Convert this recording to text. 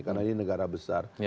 karena ini negara besar